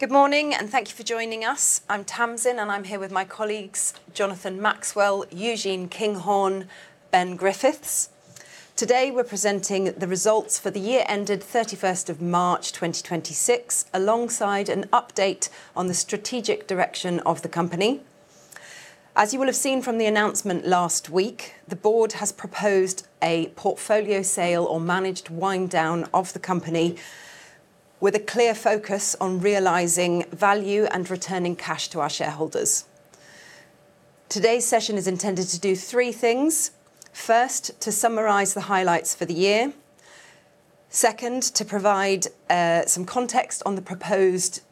Good morning, and thank you for joining us. I'm Tamsin, I'm here with my colleagues Jonathan Maxwell, Eugene Kinghorn, Ben Griffiths. Today, we're presenting the results for the year ended 31st of March 2026, alongside an update on the strategic direction of the company. As you will have seen from the announcement last week, the board has proposed a portfolio sale or managed wind down of the company with a clear focus on realizing value and returning cash to our shareholders. Today's session is intended to do three things. First, to summarize the highlights for the year. Second, to provide some context on the proposed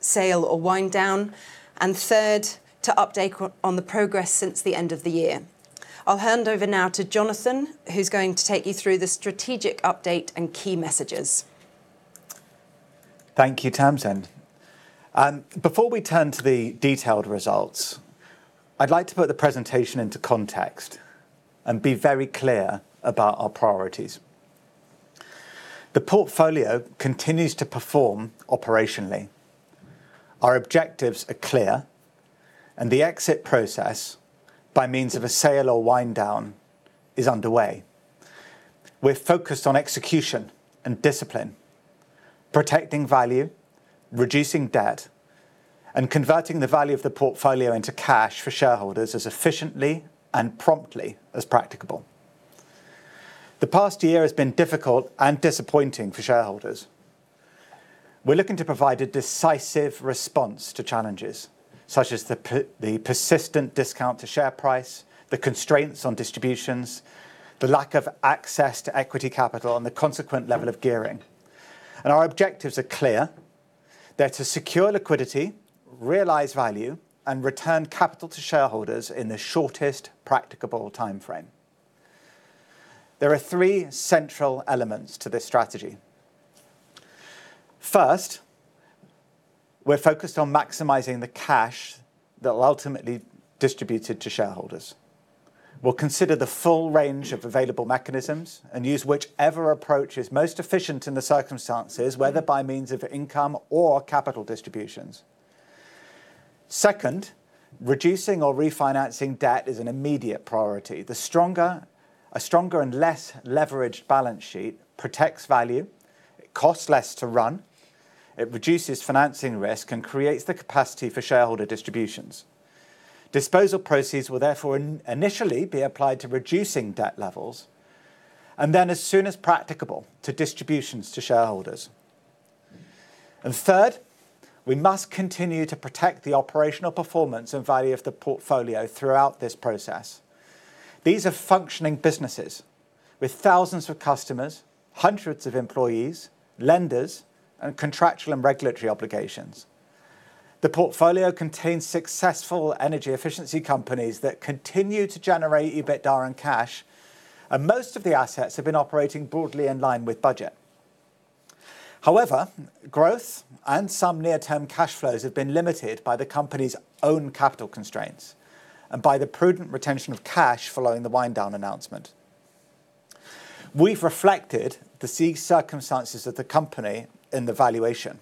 sale or wind down. Third, to update on the progress since the end of the year. I'll hand over now to Jonathan, who's going to take you through the strategic update and key messages. Thank you, Tamsin. Before we turn to the detailed results, I'd like to put the presentation into context and be very clear about our priorities. The portfolio continues to perform operationally. Our objectives are clear, the exit process, by means of a sale or wind down, is underway. We're focused on execution and discipline, protecting value, reducing debt, and converting the value of the portfolio into cash for shareholders as efficiently and promptly as practicable. The past year has been difficult and disappointing for shareholders. We're looking to provide a decisive response to challenges, such as the persistent discount to share price, the constraints on distributions, the lack of access to equity capital, and the consequent level of gearing. Our objectives are clear. They're to secure liquidity, realize value, and return capital to shareholders in the shortest practicable timeframe. There are three central elements to this strategy. First, we're focused on maximizing the cash that will ultimately distributed to shareholders. We'll consider the full range of available mechanisms and use whichever approach is most efficient in the circumstances, whether by means of income or capital distributions. Second, reducing or refinancing debt is an immediate priority. A stronger and less leveraged balance sheet protects value. It costs less to run. It reduces financing risk and creates the capacity for shareholder distributions. Disposal proceeds will therefore initially be applied to reducing debt levels, then as soon as practicable, to distributions to shareholders. Third, we must continue to protect the operational performance and value of the portfolio throughout this process. These are functioning businesses with thousands of customers, hundreds of employees, lenders, and contractual and regulatory obligations. The portfolio contains successful energy efficiency companies that continue to generate EBITDA and cash, most of the assets have been operating broadly in line with budget. However, growth and some near-term cash flows have been limited by the company's own capital constraints and by the prudent retention of cash following the wind down announcement. We've reflected the circumstances of the company in the valuation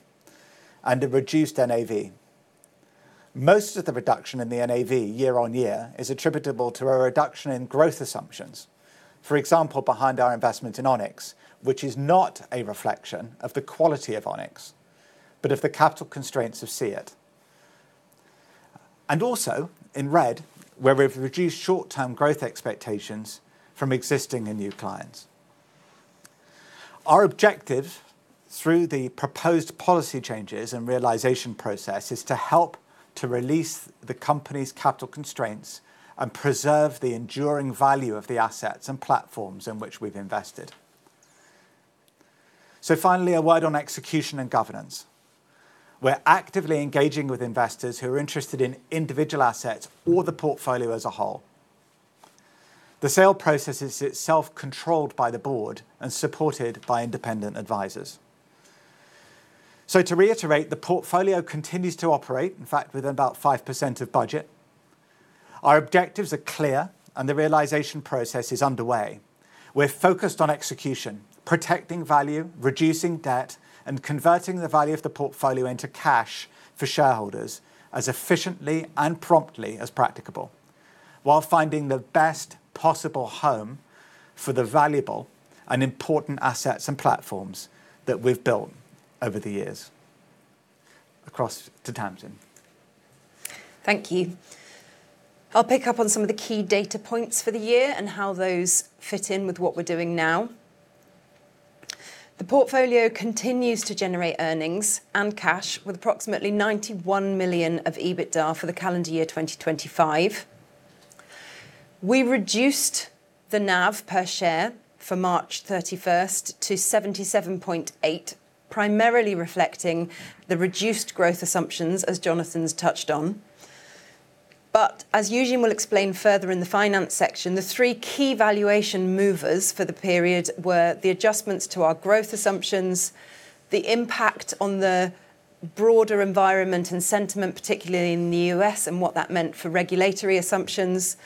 and the reduced NAV. Most of the reduction in the NAV year-over-year is attributable to a reduction in growth assumptions. For example, behind our investment in Onyx, which is not a reflection of the quality of Onyx, but of the capital constraints of SEIT. Also in RED, where we've reduced short-term growth expectations from existing and new clients. Our objective through the proposed policy changes and realization process is to help to release the company's capital constraints and preserve the enduring value of the assets and platforms in which we've invested. Finally, a word on execution and governance. We're actively engaging with investors who are interested in individual assets or the portfolio as a whole. The sale process is itself controlled by the board and supported by independent advisors. To reiterate, the portfolio continues to operate, in fact, within about 5% of budget. Our objectives are clear, and the realization process is underway. We're focused on execution, protecting value, reducing debt, and converting the value of the portfolio into cash for shareholders as efficiently and promptly as practicable, while finding the best possible home for the valuable and important assets and platforms that we've built over the years. Across to Tamsin. Thank you. I'll pick up on some of the key data points for the year and how those fit in with what we're doing now. The portfolio continues to generate earnings and cash with approximately 91 million of EBITDA for the calendar year 2025. We reduced the NAV per share for March 31st to 0.778, primarily reflecting the reduced growth assumptions, as Jonathan's touched on. As Eugene will explain further in the finance section, the three key valuation movers for the period were the adjustments to our growth assumptions, the impact on the broader environment and sentiment, particularly in the U.S. and what that meant for regulatory assumptions,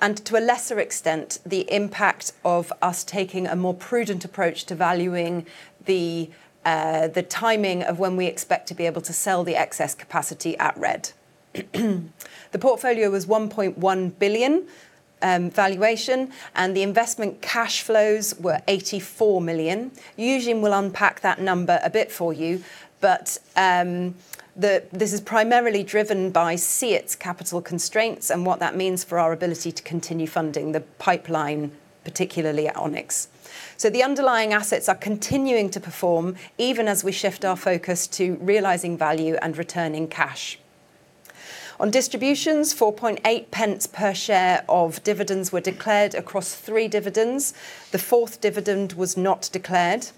and to a lesser extent, the impact of us taking a more prudent approach to valuing the timing of when we expect to be able to sell the excess capacity at RED. The portfolio was 1.1 billion valuation, and the investment cash flows were 84 million. Eugene will unpack that number a bit for you, but this is primarily driven by SEIT's capital constraints and what that means for our ability to continue funding the pipeline, particularly at Onyx. The underlying assets are continuing to perform even as we shift our focus to realizing value and returning cash. On distributions, 0.048 per share of dividends were declared across three dividends. The fourth dividend was not declared.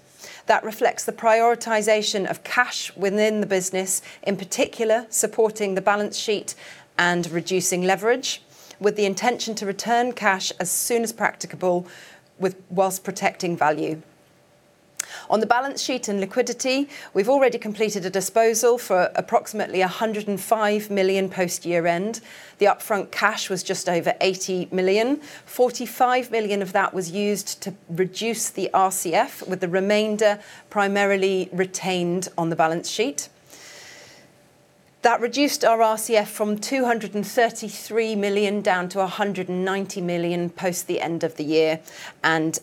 That reflects the prioritization of cash within the business, in particular, supporting the balance sheet and reducing leverage, with the intention to return cash as soon as practicable whilst protecting value. On the balance sheet and liquidity, we've already completed a disposal for approximately 105 million post year-end. The upfront cash was just over 80 million. 45 million of that was used to reduce the RCF, with the remainder primarily retained on the balance sheet. That reduced our RCF from 233 million down to 190 million post the end of the year and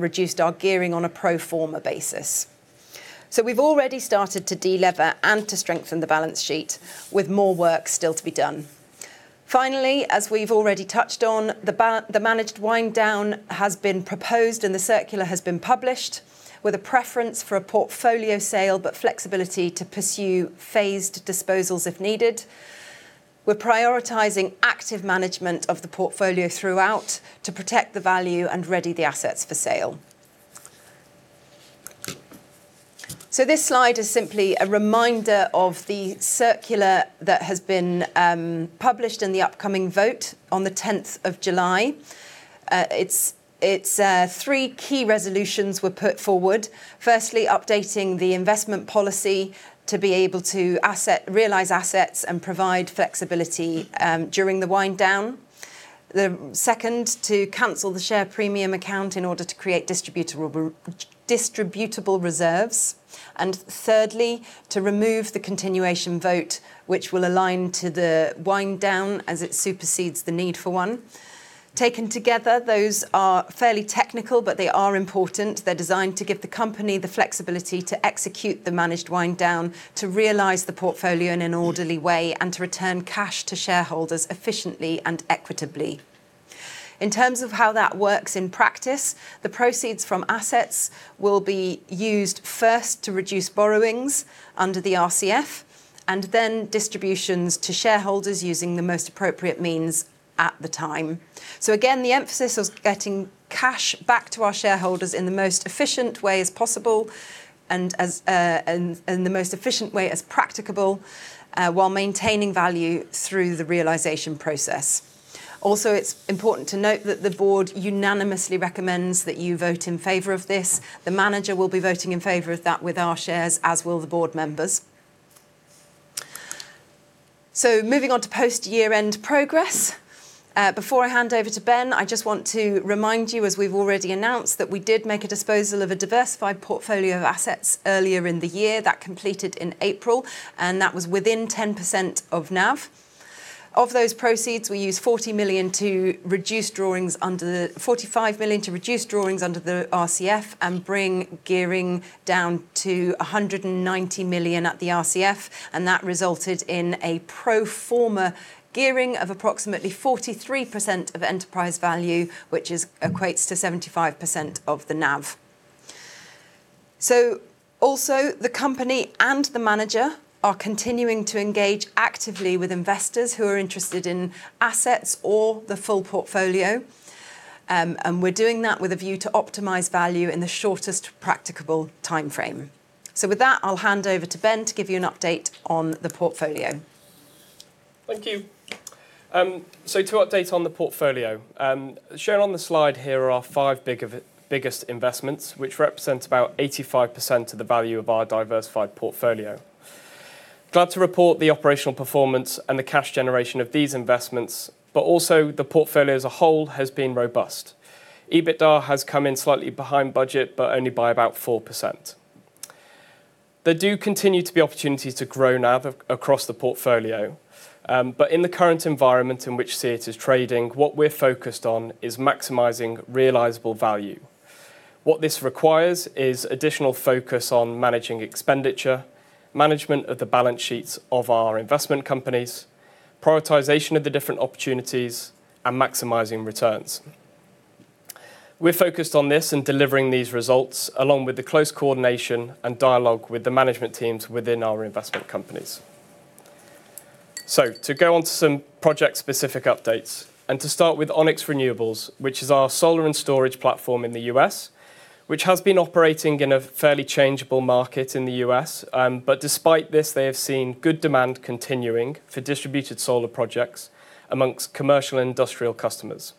reduced our gearing on a pro forma basis. We've already started to de-lever and to strengthen the balance sheet with more work still to be done. Finally, as we've already touched on, the managed wind down has been proposed and the circular has been published with a preference for a portfolio sale, but flexibility to pursue phased disposals if needed. We're prioritizing active management of the portfolio throughout to protect the value and ready the assets for sale. This slide is simply a reminder of the circular that has been published in the upcoming vote on the 10th of July. Its three key resolutions were put forward. Updating the investment policy to be able to realize assets and provide flexibility during the wind down. The second, to cancel the share premium account in order to create distributable reserves. Thirdly, to remove the continuation vote, which will align to the wind down as it supersedes the need for one. Taken together, those are fairly technical, but they are important. They're designed to give the company the flexibility to execute the managed wind down, to realize the portfolio in an orderly way, and to return cash to shareholders efficiently and equitably. In terms of how that works in practice, the proceeds from assets will be used first to reduce borrowings under the RCF and then distributions to shareholders using the most appropriate means at the time. Again, the emphasis is getting cash back to our shareholders in the most efficient way as possible and the most efficient way as practicable, while maintaining value through the realization process. It's important to note that the board unanimously recommends that you vote in favor of this. The manager will be voting in favor of that with our shares, as will the board members. Moving on to post year-end progress. Before I hand over to Ben, I just want to remind you, as we've already announced, that we did make a disposal of a diversified portfolio of assets earlier in the year. That completed in April, and that was within 10% of NAV. Of those proceeds, we used 45 million to reduce drawings under the RCF and bring gearing down to 190 million at the RCF, and that resulted in a pro forma gearing of approximately 43% of enterprise value, which equates to 75% of the NAV. The company and the manager are continuing to engage actively with investors who are interested in assets or the full portfolio. We're doing that with a view to optimize value in the shortest practicable timeframe. With that, I'll hand over to Ben to give you an update on the portfolio. Thank you. To update on the portfolio. Shared on the slide here are our five biggest investments, which represent about 85% of the value of our diversified portfolio. Glad to report the operational performance and the cash generation of these investments, but also the portfolio as a whole has been robust. EBITDA has come in slightly behind budget, but only by about 4%. There do continue to be opportunities to grow NAV across the portfolio. In the current environment in which SEIT is trading, what we're focused on is maximizing realizable value. What this requires is additional focus on managing expenditure, management of the balance sheets of our investment companies, prioritization of the different opportunities, and maximizing returns. We're focused on this and delivering these results, along with the close coordination and dialogue with the management teams within our investment companies. To go on to some project specific updates. To start with Onyx Renewables, which is our solar and storage platform in the U.S., which has been operating in a fairly changeable market in the U.S. Despite this, they have seen good demand continuing for distributed solar projects amongst commercial and industrial customers.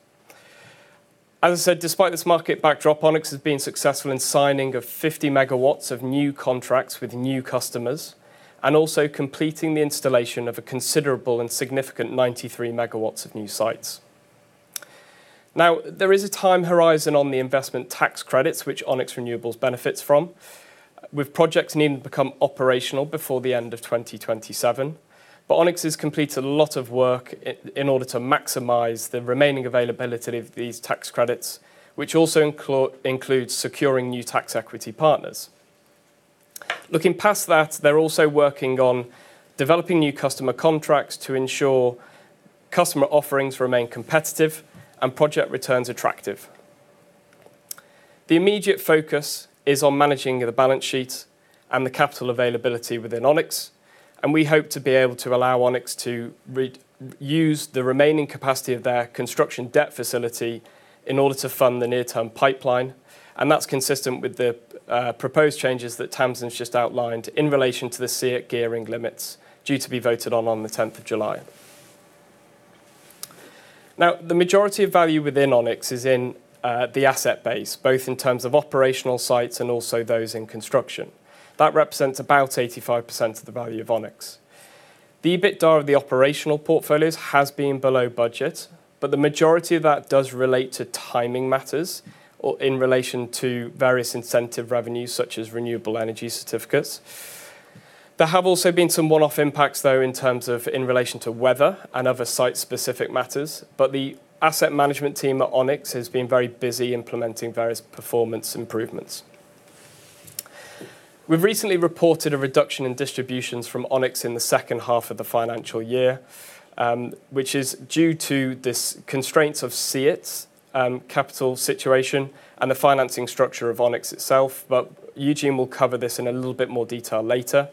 As I said, despite this market backdrop, Onyx has been successful in signing of 50 MW of new contracts with new customers and also completing the installation of a considerable and significant 93 MW of new sites. There is a time horizon on the Investment Tax Credits, which Onyx Renewables benefits from, with projects needing to become operational before the end of 2027. Onyx has completed a lot of work in order to maximize the remaining availability of these tax credits, which also includes securing new tax equity partners. Looking past that, they are also working on developing new customer contracts to ensure customer offerings remain competitive and project returns attractive. The immediate focus is on managing the balance sheet and the capital availability within Onyx, and we hope to be able to allow Onyx to use the remaining capacity of their construction debt facility in order to fund the near-term pipeline, and that is consistent with the proposed changes that Tamsin has just outlined in relation to the SEIT gearing limits, due to be voted on the 10th of July. The majority of value within Onyx is in the asset base, both in terms of operational sites and also those in construction. That represents about 85% of the value of Onyx. The EBITDA of the operational portfolios has been below budget, the majority of that does relate to timing matters or in relation to various incentive revenues, such as renewable energy certificates. There have also been some one-off impacts, though, in terms of in relation to weather and other site-specific matters, the asset management team at Onyx has been very busy implementing various performance improvements. We have recently reported a reduction in distributions from Onyx in the second half of the financial year, which is due to this constraints of SEIT's capital situation and the financing structure of Onyx itself. Eugene will cover this in a little bit more detail later.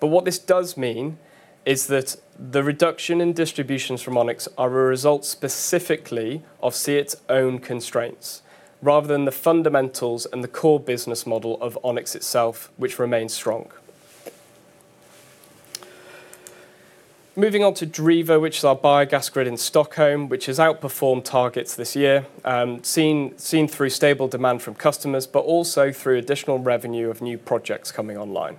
What this does mean is that the reduction in distributions from Onyx are a result specifically of SEIT's own constraints rather than the fundamentals and the core business model of Onyx itself, which remains strong. Moving on to Driva, which is our biogas grid in Stockholm, which has outperformed targets this year, seen through stable demand from customers, also through additional revenue of new projects coming online.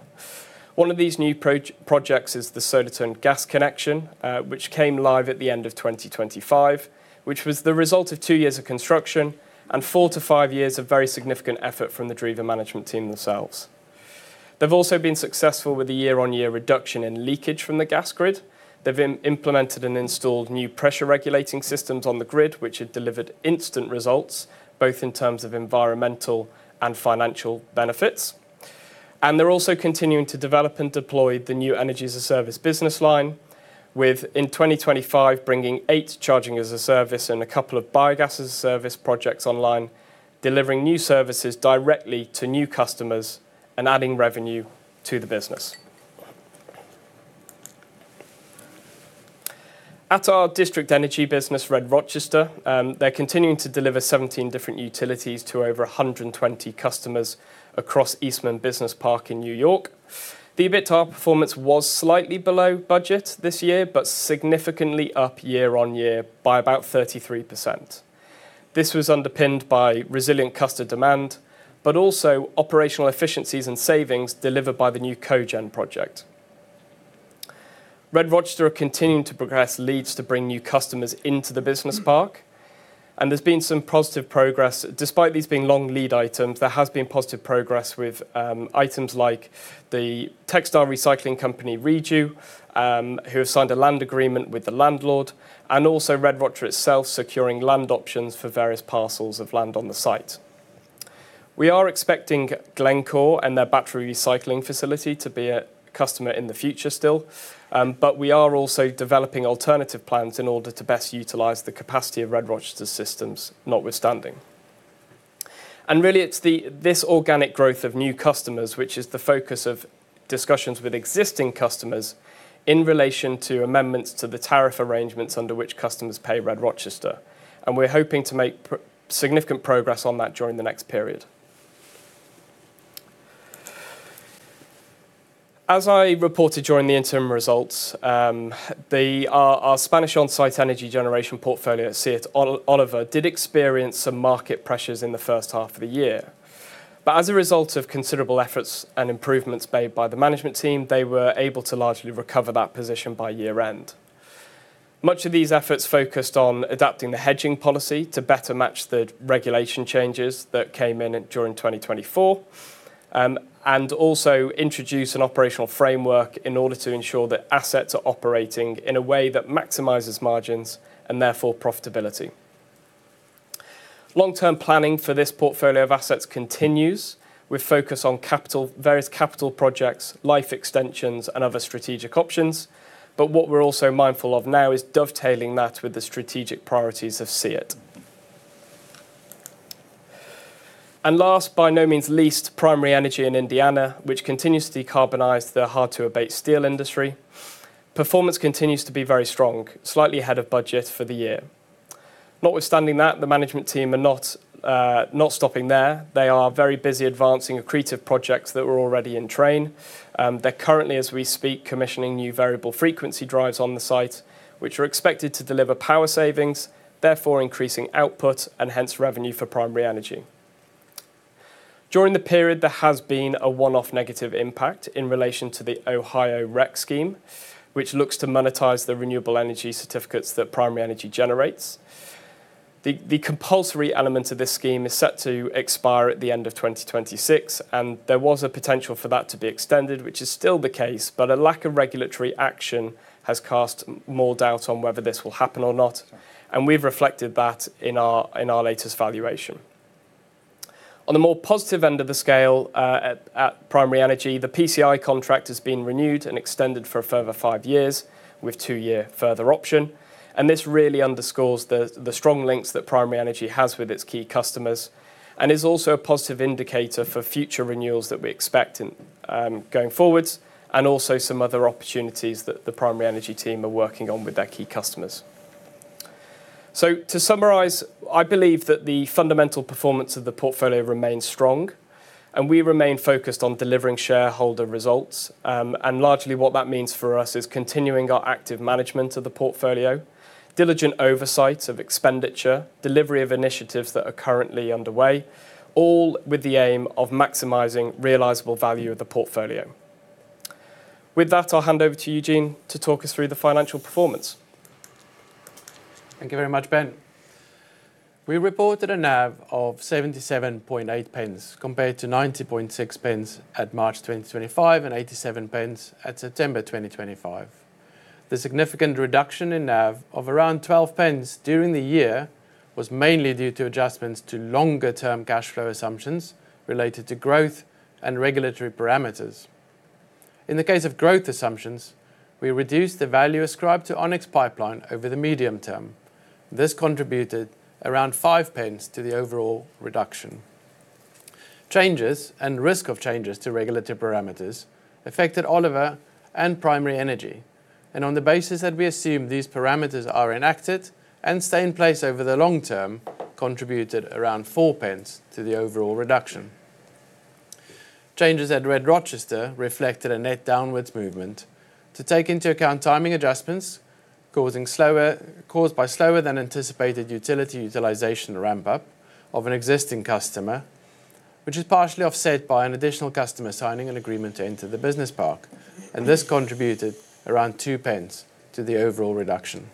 One of these new projects is the Södertörn gas connection, which came live at the end of 2025, which was the result of two years of construction and four to five years of very significant effort from the Driva management team themselves. They have also been successful with the year-on-year reduction in leakage from the gas grid. They have implemented and installed new pressure regulating systems on the grid, which have delivered instant results, both in terms of environmental and financial benefits. They're also continuing to develop and deploy the new energy-as-a-service business line with, in 2025, bringing eight charging-as-a-service and a couple of biogas-as-a-service projects online, delivering new services directly to new customers and adding revenue to the business. At our district energy business, RED-Rochester, they're continuing to deliver 17 different utilities to over 120 customers across Eastman Business Park in New York. The EBITDA performance was slightly below budget this year, significantly up year-on-year by about 33%. This was underpinned by resilient customer demand, also operational efficiencies and savings delivered by the new cogen project. RED-Rochester are continuing to progress leads to bring new customers into the business park, there's been some positive progress. Despite these being long lead items, there has been positive progress with items like the textile recycling company Reju, who have signed a land agreement with the landlord. Also RED-Rochester itself securing land options for various parcels of land on the site. We are expecting Glencore and their battery recycling facility to be a customer in the future still, we are also developing alternative plans in order to best utilize the capacity of RED-Rochester systems notwithstanding. Really, it's this organic growth of new customers, which is the focus of discussions with existing customers in relation to amendments to the tariff arrangements under which customers pay RED-Rochester, we're hoping to make significant progress on that during the next period. As I reported during the interim results, our Spanish onsite energy generation portfolio at SEIT, Oliva, did experience some market pressures in the first half of the year. As a result of considerable efforts and improvements made by the management team, they were able to largely recover that position by year-end. Much of these efforts focused on adapting the hedging policy to better match the regulation changes that came in during 2024, also introduce an operational framework in order to ensure that assets are operating in a way that maximizes margins and therefore profitability. Long-term planning for this portfolio of assets continues with focus on various capital projects, life extensions, and other strategic options. What we're also mindful of now is dovetailing that with the strategic priorities of SEIT. Last, by no means least, Primary Energy in Indiana, which continues to decarbonize the hard-to-abate steel industry. Performance continues to be very strong, slightly ahead of budget for the year. Notwithstanding that, the management team are not stopping there. They are very busy advancing accretive projects that were already in train. They're currently, as we speak, commissioning new variable frequency drives on the site, which are expected to deliver power savings, therefore increasing output and hence revenue for Primary Energy. During the period, there has been a one-off negative impact in relation to the Ohio REC scheme, which looks to monetize the renewable energy certificates that Primary Energy generates. The compulsory element of this scheme is set to expire at the end of 2026, there was a potential for that to be extended, which is still the case, a lack of regulatory action has cast more doubt on whether this will happen or not. We've reflected that in our latest valuation. On the more positive end of the scale, at Primary Energy, the PCI contract has been renewed and extended for a further five years, with two-year further option. This really underscores the strong links that Primary Energy has with its key customers, and is also a positive indicator for future renewals that we expect going forwards, and also some other opportunities that the Primary Energy team are working on with their key customers. To summarize, I believe that the fundamental performance of the portfolio remains strong, and we remain focused on delivering shareholder results. Largely what that means for us is continuing our active management of the portfolio, diligent oversight of expenditure, delivery of initiatives that are currently underway, all with the aim of maximizing realizable value of the portfolio. With that, I'll hand over to Eugene to talk us through the financial performance. Thank you very much, Ben. We reported a NAV of 0.778 compared to 0.906 at March 2025 and 0.87 at September 2025. The significant reduction in NAV of around 0.12 during the year was mainly due to adjustments to longer-term cash flow assumptions related to growth and regulatory parameters. In the case of growth assumptions, we reduced the value ascribed to Onyx pipeline over the medium term. This contributed around 0.05 to the overall reduction. Changes and risk of changes to regulatory parameters affected Oliva and Primary Energy, and on the basis that we assume these parameters are enacted and stay in place over the long term, contributed around 0.04 to the overall reduction. Changes at RED-Rochester reflected a net downwards movement to take into account timing adjustments caused by slower than anticipated utility utilization ramp-up of an existing customer, which is partially offset by an additional customer signing an agreement to enter the business park, and this contributed around 0.02 to the overall reduction.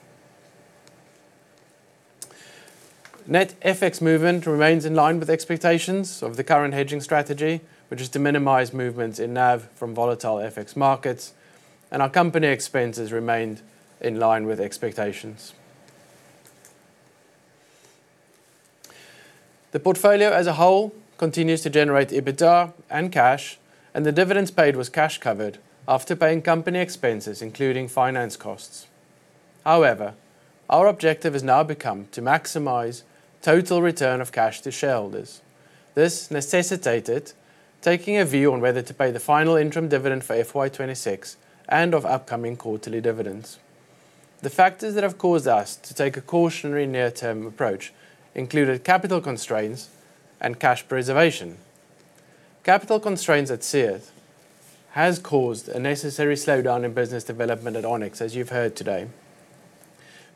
Net FX movement remains in line with expectations of the current hedging strategy, which is to minimize movements in NAV from volatile FX markets, and our company expenses remained in line with expectations. The portfolio as a whole continues to generate EBITDA and cash, and the dividends paid was cash covered after paying company expenses, including finance costs. However, our objective has now become to maximize total return of cash to shareholders. This necessitated taking a view on whether to pay the final interim dividend for FY 2026 and of upcoming quarterly dividends. The factors that have caused us to take a cautionary near-term approach included capital constraints and cash preservation. Capital constraints at SEIT has caused a necessary slowdown in business development at Onyx, as you've heard today.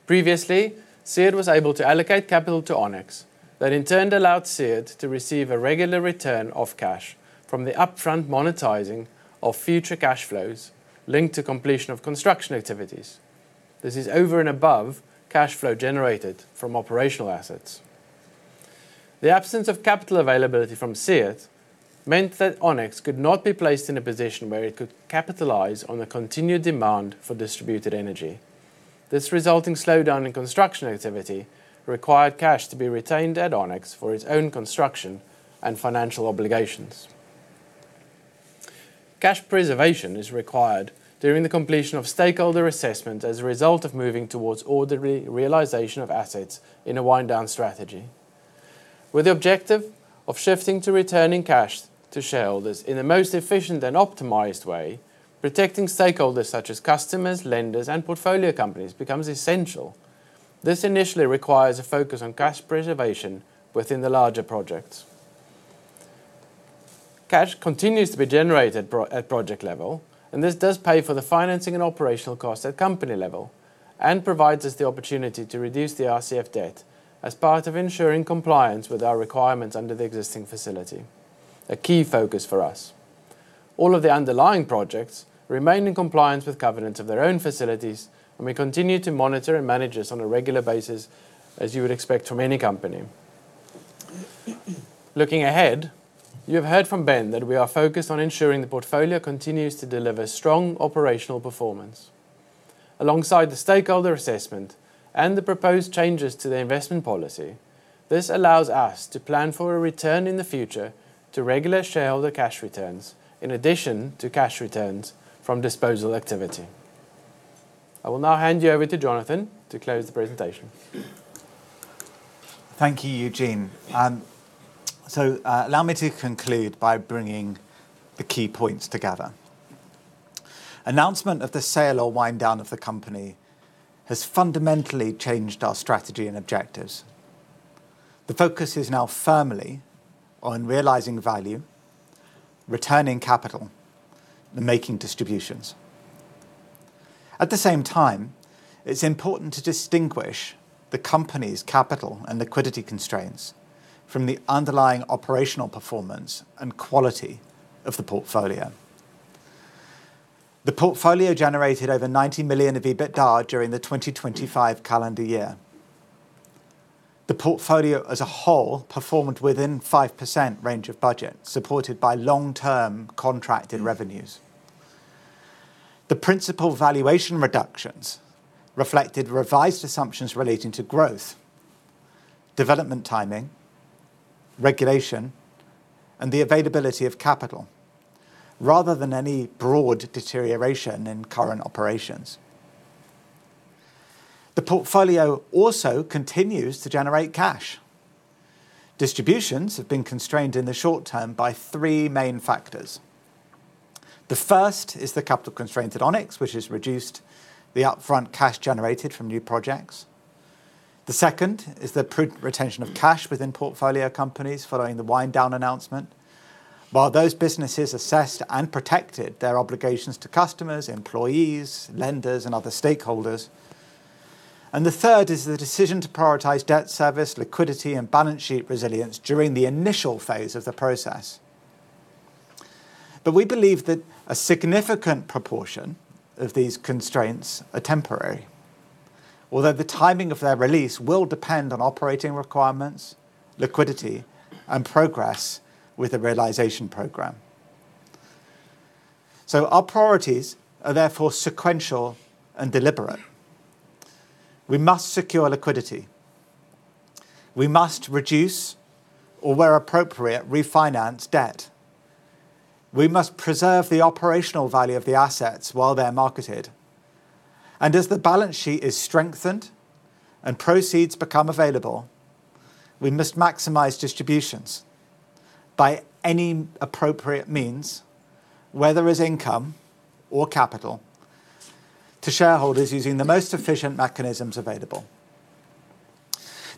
Previously, SEIT was able to allocate capital to Onyx that in turn allowed SEIT to receive a regular return of cash from the upfront monetizing of future cash flows linked to completion of construction activities. This is over and above cash flow generated from operational assets. The absence of capital availability from SEIT meant that Onyx could not be placed in a position where it could capitalize on the continued demand for distributed energy. This resulting slowdown in construction activity required cash to be retained at Onyx for its own construction and financial obligations. Cash preservation is required during the completion of stakeholder assessment as a result of moving towards orderly realization of assets in a wind down strategy. With the objective of shifting to returning cash to shareholders in the most efficient and optimized way, protecting stakeholders such as customers, lenders, and portfolio companies becomes essential. This initially requires a focus on cash preservation within the larger projects. Cash continues to be generated at project level, and this does pay for the financing and operational cost at company level and provides us the opportunity to reduce the RCF debt as part of ensuring compliance with our requirements under the existing facility. A key focus for us. All of the underlying projects remain in compliance with covenants of their own facilities, and we continue to monitor and manage this on a regular basis, as you would expect from any company. Looking ahead, you have heard from Ben that we are focused on ensuring the portfolio continues to deliver strong operational performance. Alongside the stakeholder assessment and the proposed changes to the investment policy, this allows us to plan for a return in the future to regular shareholder cash returns in addition to cash returns from disposal activity. I will now hand you over to Jonathan to close the presentation. Thank you, Eugene. Allow me to conclude by bringing the key points together. Announcement of the sale or wind down of the company has fundamentally changed our strategy and objectives. The focus is now firmly on realizing value, returning capital, and making distributions. At the same time, it's important to distinguish the company's capital and liquidity constraints from the underlying operational performance and quality of the portfolio. The portfolio generated over 90 million of EBITDA during the 2025 calendar year. The portfolio as a whole performed within 5% range of budget, supported by long-term contracted revenues. The principal valuation reductions reflected revised assumptions relating to growth, development timing, regulation, and the availability of capital, rather than any broad deterioration in current operations. The portfolio also continues to generate cash. Distributions have been constrained in the short term by three main factors. The first is the capital constraints at Onyx, which has reduced the upfront cash generated from new projects. The second is the retention of cash within portfolio companies following the wind-down announcement, while those businesses assessed and protected their obligations to customers, employees, lenders, and other stakeholders. The third is the decision to prioritize debt service, liquidity, and balance sheet resilience during the initial phase of the process. We believe that a significant proportion of these constraints are temporary, although the timing of their release will depend on operating requirements, liquidity, and progress with the realization program. Our priorities are therefore sequential and deliberate. We must secure liquidity. We must reduce or, where appropriate, refinance debt. We must preserve the operational value of the assets while they're marketed. As the balance sheet is strengthened and proceeds become available, we must maximize distributions by any appropriate means, whether as income or capital, to shareholders using the most efficient mechanisms available.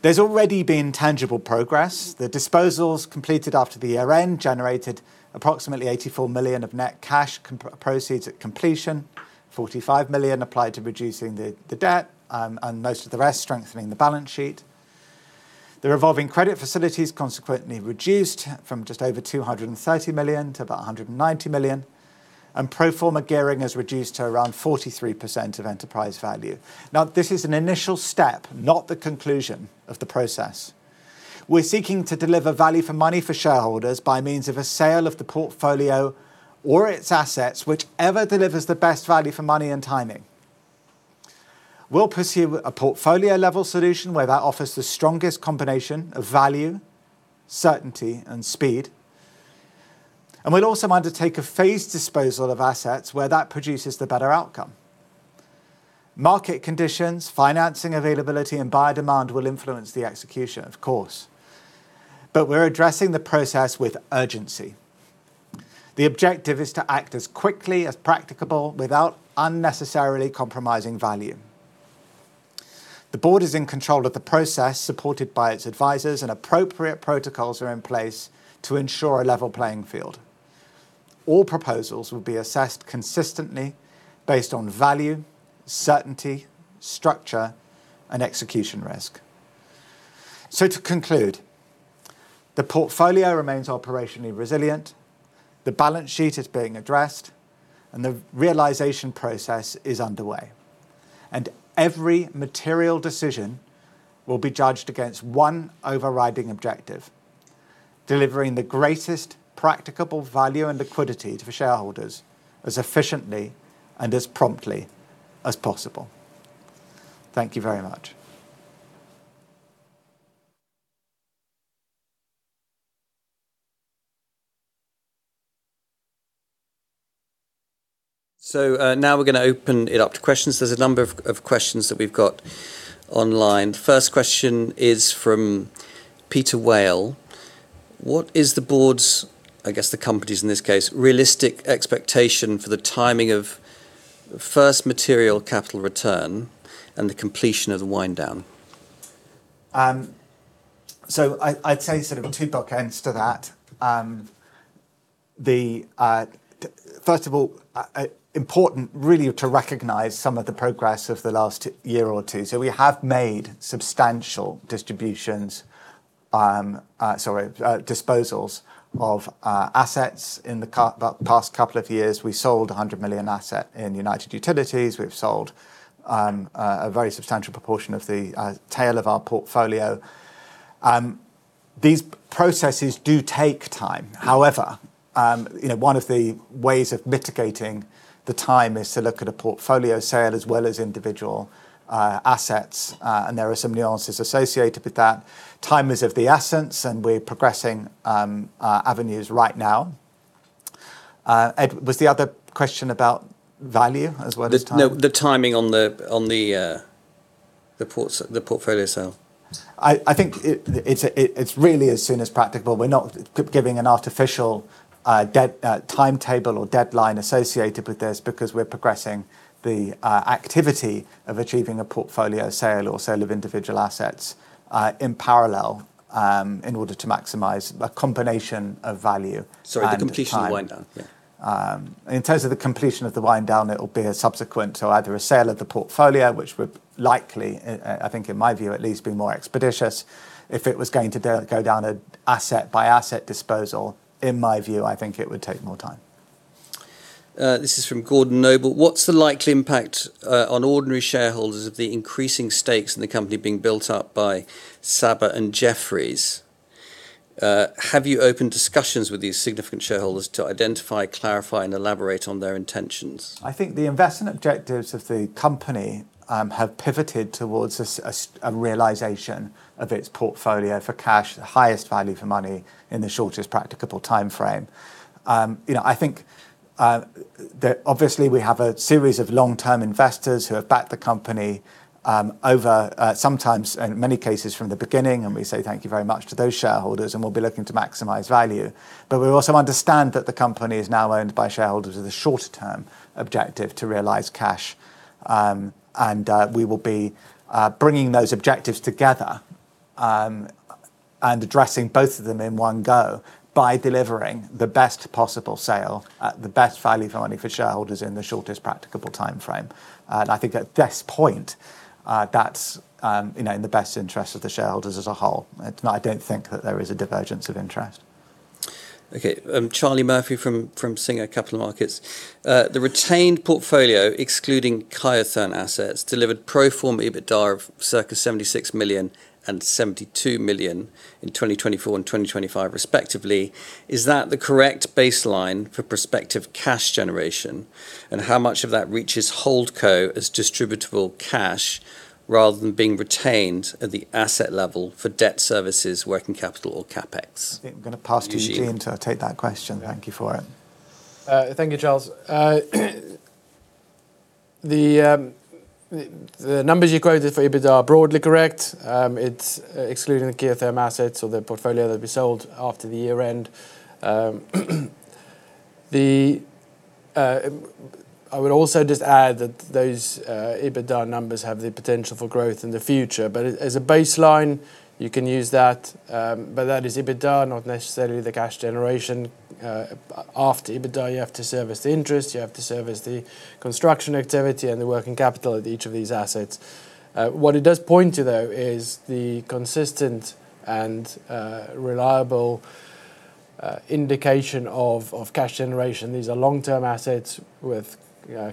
There's already been tangible progress. The disposals completed after the year-end generated approximately 84 million of net cash proceeds at completion, 45 million applied to reducing the debt, and most of the rest strengthening the balance sheet. The revolving credit facility is consequently reduced from just over 230 million to about 190 million, and pro forma gearing has reduced to around 43% of enterprise value. This is an initial step, not the conclusion of the process. We're seeking to deliver value for money for shareholders by means of a sale of the portfolio or its assets, whichever delivers the best value for money and timing. We'll pursue a portfolio-level solution where that offers the strongest combination of value, certainty, and speed, and we'll also undertake a phased disposal of assets where that produces the better outcome. Market conditions, financing availability, and buyer demand will influence the execution, of course. We're addressing the process with urgency. The objective is to act as quickly as practicable without unnecessarily compromising value. The board is in control of the process, supported by its advisors, and appropriate protocols are in place to ensure a level playing field. All proposals will be assessed consistently based on value, certainty, structure, and execution risk. To conclude, the portfolio remains operationally resilient, the balance sheet is being addressed, and the realization process is underway. Every material decision will be judged against one overriding objective: delivering the greatest practicable value and liquidity for shareholders as efficiently and as promptly as possible. Thank you very much. Now we're going to open it up to questions. There's a number of questions that we've got online. First question is from Peter Whale. What is the board's, I guess the company's in this case, realistic expectation for the timing of first material capital return and the completion of the wind-down? I'd say sort of two bookends to that. First of all, important really to recognize some of the progress of the last year or two. We have made substantial disposals of assets in the past couple of years. We sold a 100 million asset in United Utilities. We've sold a very substantial proportion of the tail of our portfolio. These processes do take time. However, one of the ways of mitigating the time is to look at a portfolio sale as well as individual assets, and there are some nuances associated with that. Time is of the essence, and we're progressing avenues right now. Ed, was the other question about value as well as time? No, the timing on the portfolio sale. I think it's really as soon as practical. We're not giving an artificial timetable or deadline associated with this because we're progressing the activity of achieving a portfolio sale or sale of individual assets in parallel in order to maximize a combination of value and time. Sorry, the completion of wind-down. Yeah. In terms of the completion of the wind-down, it will be subsequent to either a sale of the portfolio, which would likely, I think in my view at least, be more expeditious. If it was going to go down an asset-by-asset disposal, in my view, I think it would take more time. This is from Gordon Noble: What's the likely impact on ordinary shareholders of the increasing stakes in the company being built up by Saba and Jefferies? Have you opened discussions with these significant shareholders to identify, clarify, and elaborate on their intentions? I think the investment objectives of the company have pivoted towards a realization of its portfolio for cash, the highest value for money in the shortest practicable timeframe. I think that obviously we have a series of long-term investors who have backed the company over sometimes, in many cases, from the beginning. We say thank you very much to those shareholders. We'll be looking to maximize value. We also understand that the company is now owned by shareholders with a shorter term objective to realize cash. We will be bringing those objectives together and addressing both of them in one go by delivering the best possible sale at the best value for money for shareholders in the shortest practicable timeframe. I think at this point, that's in the best interest of the shareholders as a whole. I don't think that there is a divergence of interest. Okay. Charlie Murphy from Singer Capital Markets. The retained portfolio, excluding geothermal assets, delivered pro forma EBITDA of circa 76 million and 72 million in 2024 and 2025 respectively. Is that the correct baseline for prospective cash generation? How much of that reaches holdco as distributable cash rather than being retained at the asset level for debt services, working capital, or CapEx? I think I'm going to pass to Eugene to take that question. Thank you for it. Thank you, Charles. The numbers you quoted for EBITDA are broadly correct. It's excluding the geothermal assets or the portfolio that we sold after the year-end. I would also just add that those EBITDA numbers have the potential for growth in the future. As a baseline, you can use that, but that is EBITDA, not necessarily the cash generation. After EBITDA, you have to service the interest, you have to service the construction activity, and the working capital at each of these assets. What it does point to, though, is the consistent and reliable indication of cash generation. These are long-term assets with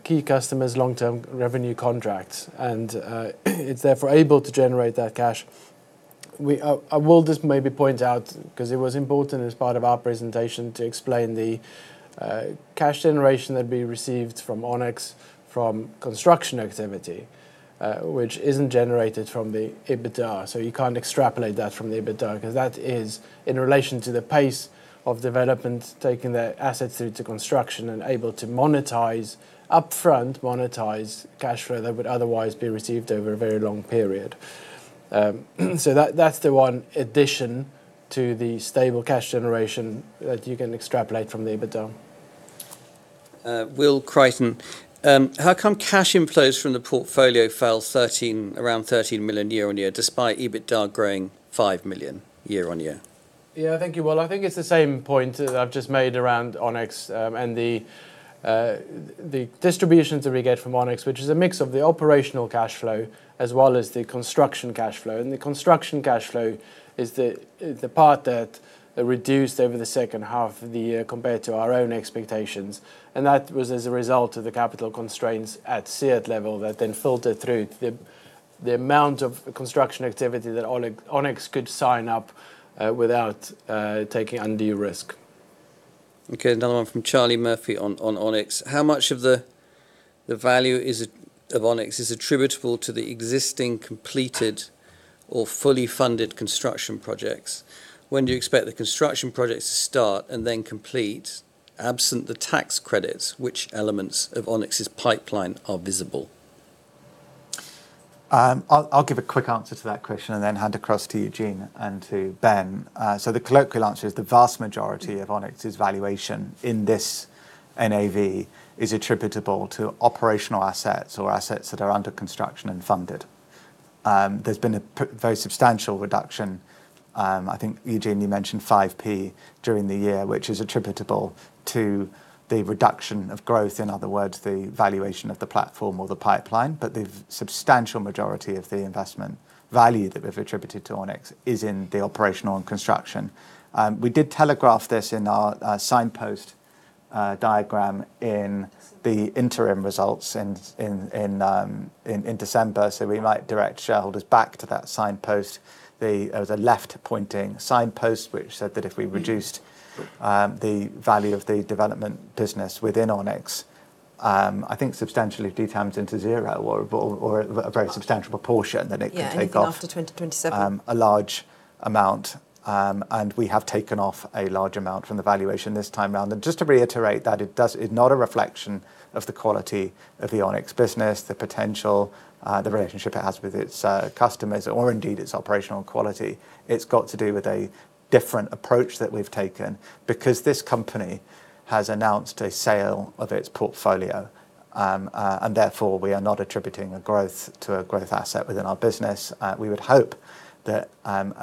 key customers, long-term revenue contracts, it's therefore able to generate that cash. I will just maybe point out because it was important as part of our presentation to explain the cash generation that we received from Onyx, from construction activity, which isn't generated from the EBITDA, you can't extrapolate that from the EBITDA because that is in relation to the pace of development, taking the assets through to construction and able to monetize, upfront monetize cash flow that would otherwise be received over a very long period. That's the one addition to the stable cash generation that you can extrapolate from the EBITDA. Will Crighton. How come cash inflows from the portfolio fell around 13 million year-on-year despite EBITDA growing 5 million year-on-year? Yeah. Thank you, Will. I think it's the same point that I've just made around Onyx and the distributions that we get from Onyx, which is a mix of the operational cash flow as well as the construction cash flow. The construction cash flow is the part that reduced over the second half of the year compared to our own expectations, and that was as a result of the capital constraints at SEIT level that then filtered through to the amount of construction activity that Onyx could sign up without taking undue risk. Okay. Another one from Charlie Murphy on Onyx. How much of the value of Onyx is attributable to the existing completed or fully funded construction projects? When do you expect the construction projects to start and then complete? Absent the tax credits, which elements of Onyx's pipeline are visible? I'll give a quick answer to that question and then hand across to Eugene and to Ben. The colloquial answer is the vast majority of Onyx's valuation in this NAV is attributable to operational assets or assets that are under construction and funded. There's been a very substantial reduction. I think, Eugene, you mentioned 0.05 during the year, which is attributable to the reduction of growth. In other words, the valuation of the platform or the pipeline, the substantial majority of the investment value that we've attributed to Onyx is in the operational and construction. We did telegraph this in our signpost diagram in the interim results in December. We might direct shareholders back to that signpost. There was a left-pointing signpost which said that if we reduced the value of the development business within Onyx, I think substantially 2x into zero or a very substantial proportion, then it could take off. Yeah, anything after 2027. A large amount, we have taken off a large amount from the valuation this time around. Just to reiterate that it's not a reflection of the quality of the Onyx business, the potential, the relationship it has with its customers, or indeed its operational quality. It's got to do with a different approach that we've taken because this company has announced a sale of its portfolio, therefore, we are not attributing a growth to a growth asset within our business. We would hope that an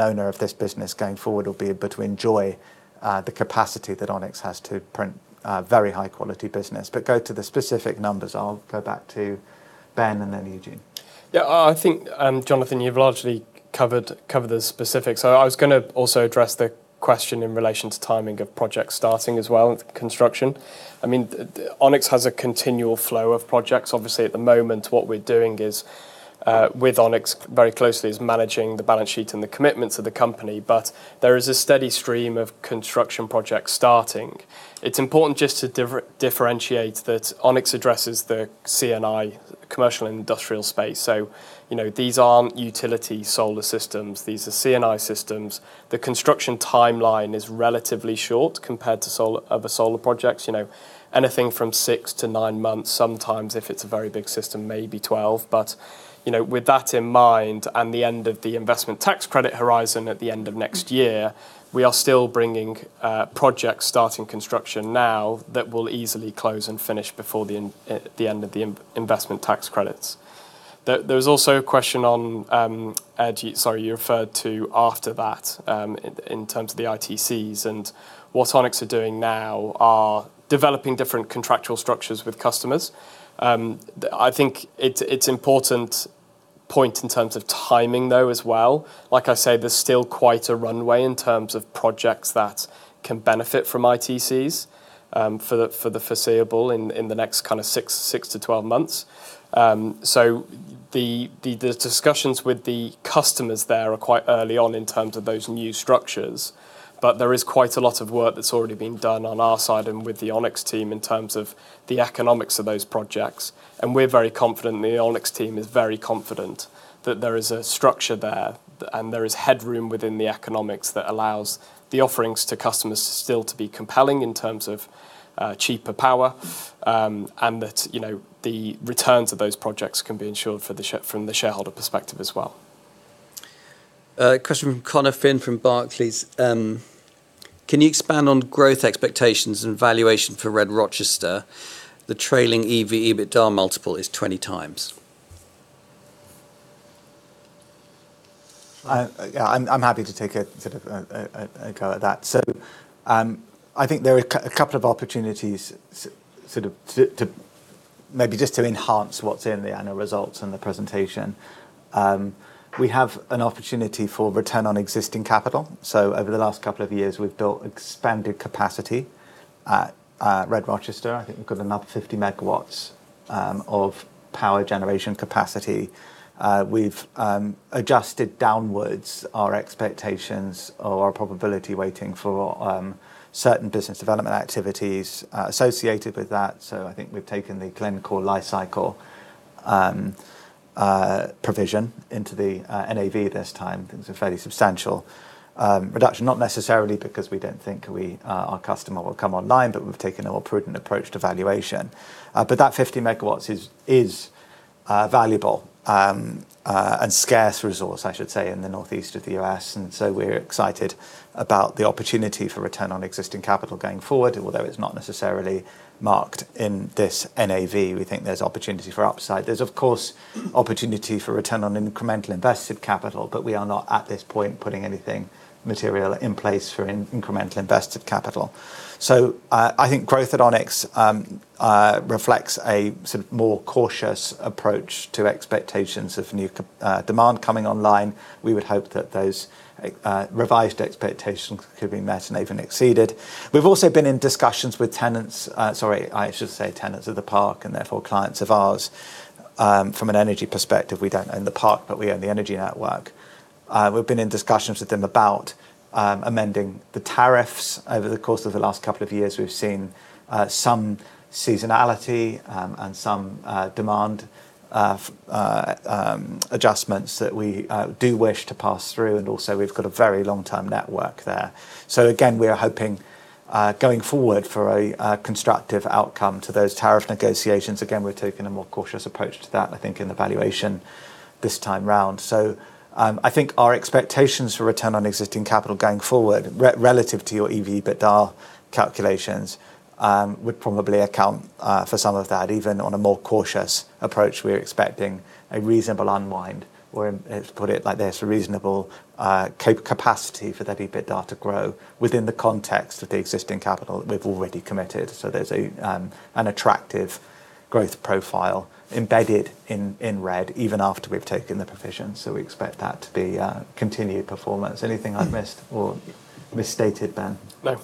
owner of this business going forward will be able to enjoy the capacity that Onyx has to print very high-quality business. Go to the specific numbers. I'll go back to Ben and then Eugene. Yeah, I think, Jonathan, you've largely covered the specifics. I was going to also address the question in relation to timing of projects starting as well, and construction. Onyx has a continual flow of projects. Obviously, at the moment, what we're doing is, with Onyx very closely, is managing the balance sheet and the commitments of the company, but there is a steady stream of construction projects starting. It's important just to differentiate that Onyx addresses the C&I commercial and industrial space. These aren't utility solar systems. These are C&I systems. The construction timeline is relatively short compared to other solar projects. Anything from six to nine months, sometimes if it's a very big system, maybe 12. With that in mind, and the end of the Investment Tax Credit horizon at the end of next year, we are still bringing projects starting construction now that will easily close and finish before the end of the Investment Tax Credits. There was also a question on, sorry, you referred to after that, in terms of the ITCs and what Onyx are doing now are developing different contractual structures with customers. I think it's important point in terms of timing, though, as well. Like I say, there's still quite a runway in terms of projects that can benefit from ITCs, for the foreseeable in the next 6-12 months. The discussions with the customers there are quite early on in terms of those new structures, but there is quite a lot of work that's already been done on our side and with the Onyx team in terms of the economics of those projects. We're very confident, the Onyx team is very confident that there is a structure there and there is headroom within the economics that allows the offerings to customers still to be compelling in terms of cheaper power, and that the returns of those projects can be ensured from the shareholder perspective as well. A question from Conor Finn from Barclays. Can you expand on growth expectations and valuation for RED-Rochester? The trailing EV/EBITDA multiple is 20x. I'm happy to take a go at that. I think there are a couple of opportunities maybe just to enhance what's in the annual results and the presentation. We have an opportunity for return on existing capital. Over the last couple of years, we've built expanded capacity at RED-Rochester. I think we've got another 50 MW of power generation capacity. We've adjusted downwards our expectations or our probability waiting for certain business development activities associated with that. I think we've taken the life cycle provision into the NAV this time. Things are fairly substantial. Reduction not necessarily because we don't think our customer will come online, but we've taken a more prudent approach to valuation. That 50 MW is a valuable and scarce resource, I should say, in the northeast of the U.S. We're excited about the opportunity for return on existing capital going forward, although it's not necessarily marked in this NAV. We think there's opportunity for upside. There's, of course, opportunity for return on incremental invested capital, but we are not at this point putting anything material in place for incremental invested capital. I think growth at Onyx reflects a more cautious approach to expectations of new demand coming online. We would hope that those revised expectations could be met and even exceeded. We've also been in discussions with tenants, sorry, I should say tenants of the park and therefore clients of ours. From an energy perspective, we don't own the park, but we own the energy network. We've been in discussions with them about amending the tariffs. Over the course of the last couple of years, we've seen some seasonality, and some demand adjustments that we do wish to pass through. Also, we've got a very long-term network there. Again, we are hoping, going forward, for a constructive outcome to those tariff negotiations. Again, we're taking a more cautious approach to that, I think in the valuation this time round. I think our expectations for return on existing capital going forward, relative to your EV/EBITDA calculations, would probably account for some of that. Even on a more cautious approach, we're expecting a reasonable unwind, or let's put it like this, a reasonable capacity for that EBITDA to grow within the context of the existing capital that we've already committed. There's an attractive growth profile embedded in RED, even after we've taken the provision. We expect that to be a continued performance. Anything I've missed or misstated, Ben? No.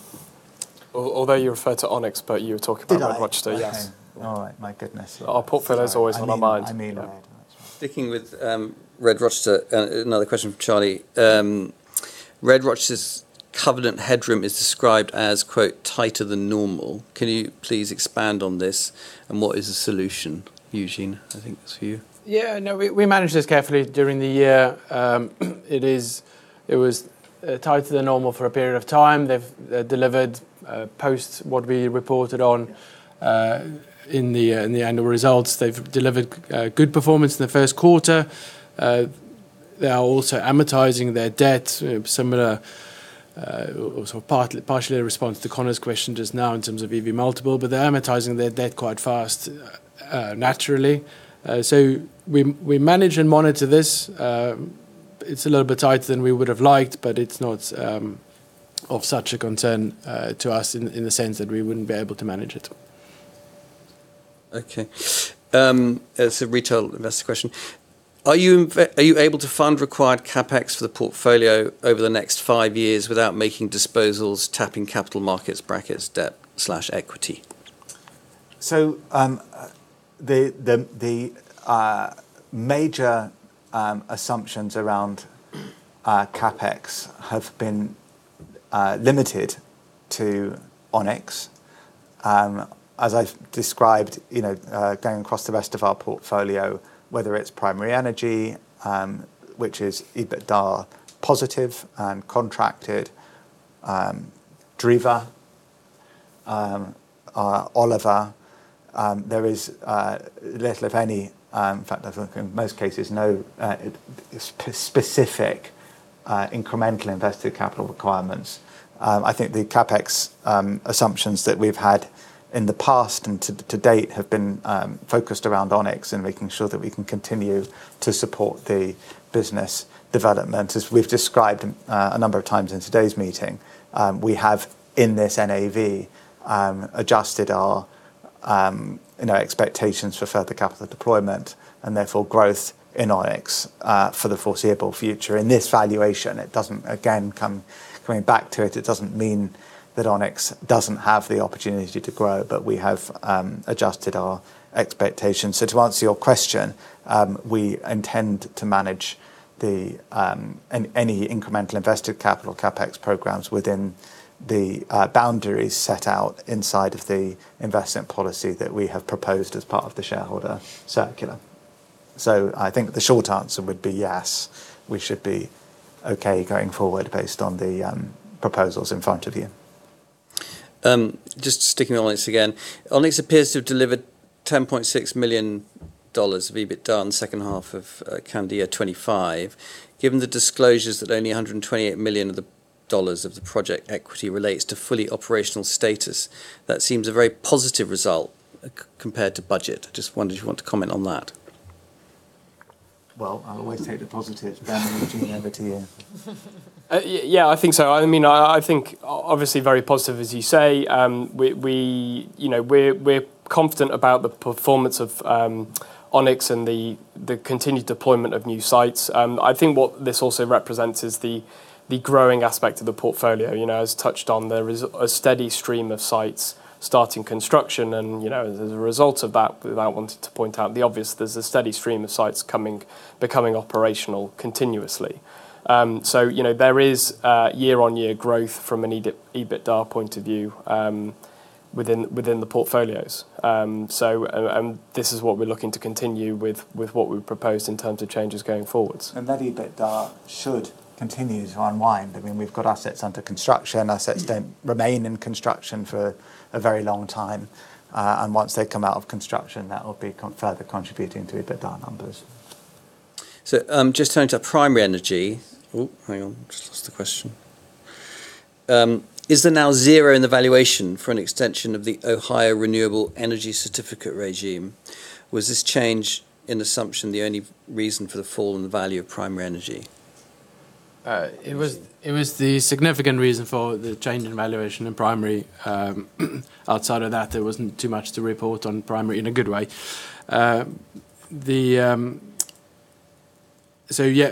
Although you referred to Onyx, but you were talking about RED-Rochester. Yes. Okay. All right. My goodness. Our portfolio's always on our mind. Sticking with RED-Rochester, another question from Charlie. RED-Rochester's covenant headroom is described as, quote, "tighter than normal." Can you please expand on this, and what is the solution? Eugene, I think it's you. Yeah, no, we managed this carefully during the year. It was tighter than normal for a period of time. They've delivered post what we reported on in the annual results. They've delivered good performance in the first quarter. They are also amortizing their debt, similar or partially a response to Conor 's question just now in terms of EV multiple, but they're amortizing their debt quite fast naturally. We manage and monitor this. It's a little bit tighter than we would have liked, but it's not of such a concern to us in the sense that we wouldn't be able to manage it. Okay. It's a retail investor question. Are you able to fund required CapEx for the portfolio over the next five years without making disposals, tapping capital markets, brackets, debt/equity? The major assumptions around CapEx have been limited to Onyx. As I've described, going across the rest of our portfolio, whether it's Primary Energy, which is EBITDA positive and contracted, Driva, Oliva, there is little, if any, in fact, I think in most cases no specific incremental invested capital requirements. I think the CapEx assumptions that we've had in the past and to date have been focused around Onyx and making sure that we can continue to support the business development. As we've described a number of times in today's meeting, we have, in this NAV, adjusted our expectations for further capital deployment and therefore growth in Onyx for the foreseeable future. In this valuation, coming back to it doesn't mean that Onyx doesn't have the opportunity to grow, but we have adjusted our expectations. To answer your question, we intend to manage any incremental invested capital CapEx programs within the boundaries set out inside of the investment policy that we have proposed as part of the shareholder circular. I think the short answer would be yes, we should be okay going forward based on the proposals in front of you. Just sticking to Onyx again. Onyx appears to have delivered $10.6 million of EBITDA in the second half of calendar year 2025. Given the disclosures that only $128 million of the project equity relates to fully operational status, that seems a very positive result compared to budget. I just wondered if you want to comment on that. Well, I always take the positive whenever to you. Yeah, I think so. I think obviously very positive, as you say. We're confident about the performance of Onyx and the continued deployment of new sites. I think what this also represents is the growing aspect of the portfolio. As touched on, there is a steady stream of sites starting construction, and as a result of that, without wanting to point out the obvious, there's a steady stream of sites becoming operational continuously. There is year-on-year growth from an EBITDA point of view within the portfolios. This is what we're looking to continue with what we've proposed in terms of changes going forwards. That EBITDA should continue to unwind. We've got assets under construction. Assets don't remain in construction for a very long time. Once they come out of construction, that will be further contributing to EBITDA numbers. Just turning to Primary Energy. Oh, hang on. Just lost the question. Is there now zero in the valuation for an extension of the Ohio Renewable Energy Certificate regime? Was this change in assumption the only reason for the fall in the value of Primary Energy? It was the significant reason for the change in valuation in Primary. Outside of that, there wasn't too much to report on Primary in a good way. Yeah,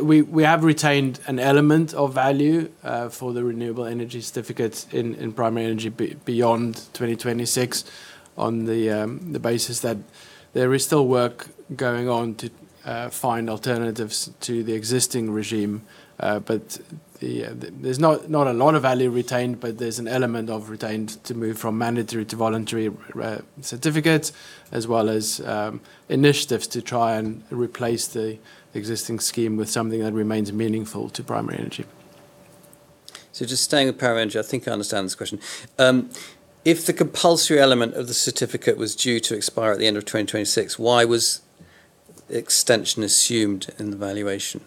we have retained an element of value for the renewable energy certificates in Primary Energy beyond 2026 on the basis that there is still work going on to find alternatives to the existing regime. There's not a lot of value retained, but there's an element of retained to move from mandatory to voluntary certificates, as well as initiatives to try and replace the existing scheme with something that remains meaningful to Primary Energy. Just staying with Primary Energy, I think I understand this question. If the compulsory element of the certificate was due to expire at the end of 2026, why was extension assumed in the valuation?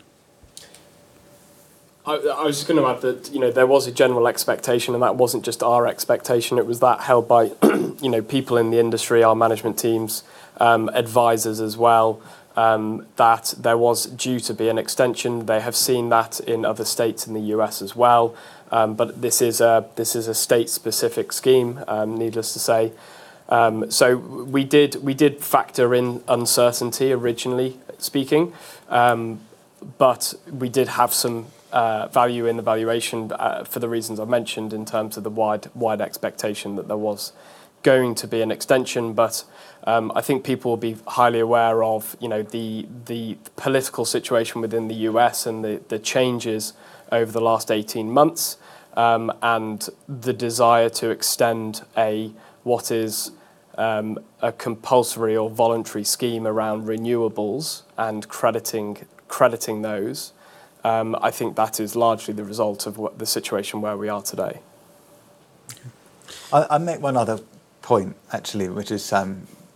I was just going to add that there was a general expectation, and that wasn't just our expectation, it was that held by people in the industry, our management teams, advisors as well, that there was due to be an extension. They have seen that in other states in the U.S. as well. This is a state-specific scheme, needless to say. We did factor in uncertainty originally speaking, we did have some value in the valuation for the reasons I mentioned in terms of the wide expectation that there was going to be an extension. I think people will be highly aware of the political situation within the U.S. and the changes over the last 18 months, the desire to extend what is a compulsory or voluntary scheme around renewables and crediting those. I think that is largely the result of the situation where we are today. I'll make one other point actually, which is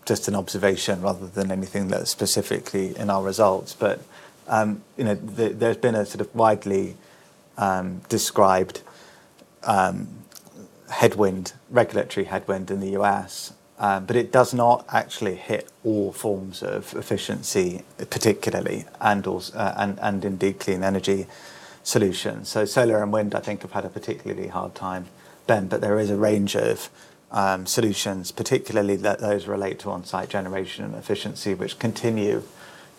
just an observation rather than anything that's specifically in our results. There's been a sort of widely described- headwind, regulatory headwind in the U.S., it does not actually hit all forms of efficiency particularly, indeed, clean energy solutions. Solar and wind, I think have had a particularly hard time then. There is a range of solutions, particularly those relate to on-site generation and efficiency, which continue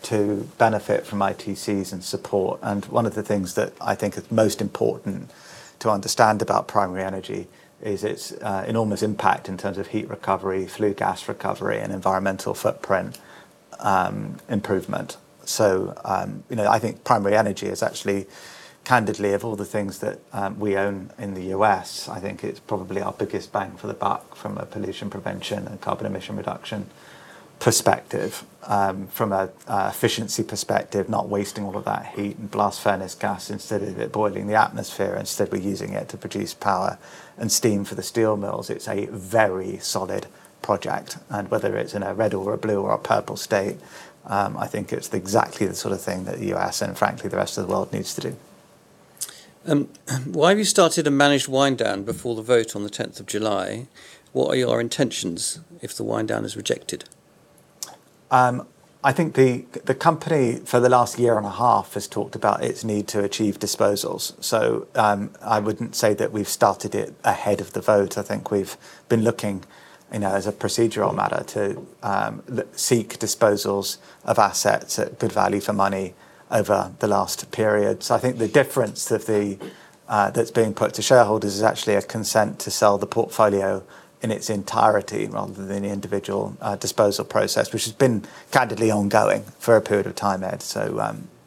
to benefit from ITCs and support. One of the things that I think is most important to understand about Primary Energy is its enormous impact in terms of heat recovery, flue gas recovery, and environmental footprint improvement. I think Primary Energy is actually, candidly, of all the things that we own in the U.S., I think it's probably our biggest bang for the buck from a pollution prevention and carbon emission reduction perspective. From an efficiency perspective, not wasting all of that heat and blast furnace gas. Instead of it boiling the atmosphere, instead we're using it to produce power and steam for the steel mills. It's a very solid project, whether it's in a red or a blue or a purple state, I think it's exactly the sort of thing that the U.S., frankly, the rest of the world needs to do. Why have you started a managed wind down before the vote on the 10th of July? What are your intentions if the wind down is rejected? I think the company for the last 1.5 year has talked about its need to achieve disposals. I wouldn't say that we've started it ahead of the vote. I think we've been looking, as a procedural matter, to seek disposals of assets at good value for money over the last period. I think the difference that's being put to shareholders is actually a consent to sell the portfolio in its entirety rather than the individual disposal process, which has been candidly ongoing for a period of time, Ed.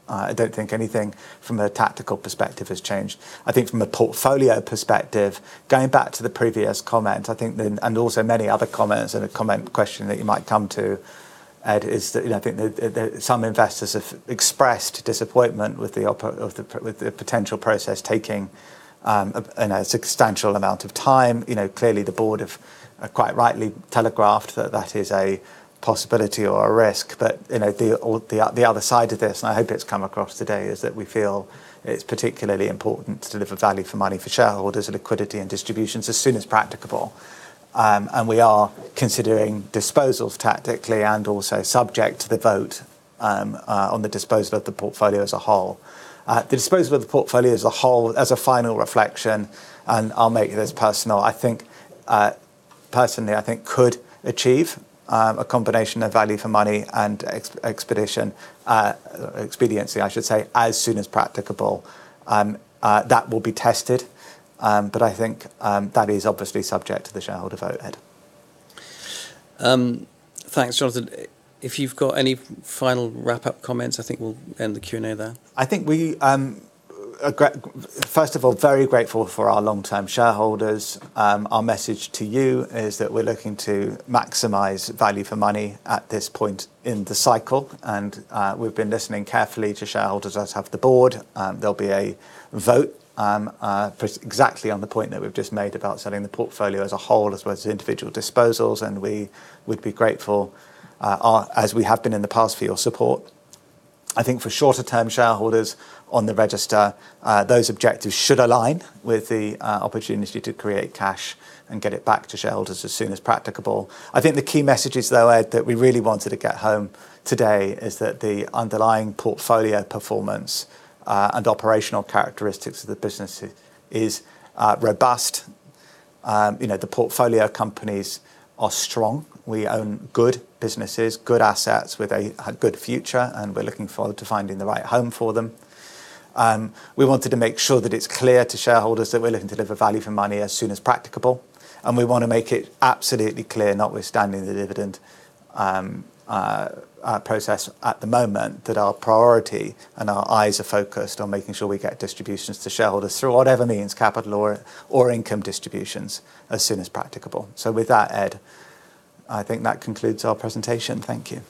I don't think anything from a tactical perspective has changed. I think from a portfolio perspective, going back to the previous comment, and also many other comments and a comment question that you might come to, Ed, is that I think that some investors have expressed disappointment with the potential process taking a substantial amount of time. Clearly the board have quite rightly telegraphed that that is a possibility or a risk. The other side of this, and I hope it's come across today, is that we feel it's particularly important to deliver value for money for shareholders and liquidity and distributions as soon as practicable. We are considering disposals tactically and also subject to the vote on the disposal of the portfolio as a whole. The disposal of the portfolio as a whole, as a final reflection, and I'll make this personal, I think personally, I think could achieve a combination of value for money and expediency, I should say, as soon as practicable. That will be tested, but I think that is obviously subject to the shareholder vote, Ed. Thanks, Jonathan. If you've got any final wrap-up comments, I think we'll end the Q&A there. I think we are, first of all, very grateful for our long-term shareholders. Our message to you is that we're looking to maximize value for money at this point in the cycle, and we've been listening carefully to shareholders, as have the board. There'll be a vote exactly on the point that we've just made about selling the portfolio as a whole, as well as individual disposals, and we would be grateful, as we have been in the past, for your support. I think for shorter-term shareholders on the register, those objectives should align with the opportunity to create cash and get it back to shareholders as soon as practicable. I think the key messages, though, Ed, that we really wanted to get home today is that the underlying portfolio performance and operational characteristics of the business is robust. The portfolio companies are strong. We own good businesses, good assets with a good future, and we're looking forward to finding the right home for them. We wanted to make sure that it's clear to shareholders that we're looking to deliver value for money as soon as practicable. We want to make it absolutely clear, notwithstanding the dividend process at the moment, that our priority and our eyes are focused on making sure we get distributions to shareholders through whatever means, capital or income distributions, as soon as practicable. With that, Ed, I think that concludes our presentation. Thank you.